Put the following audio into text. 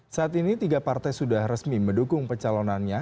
saat ini tiga partai sudah resmi mendukung pecalonannya